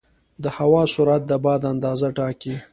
د هوا سرعت د باد اندازه ټاکي.